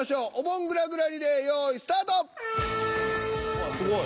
うわっすごい。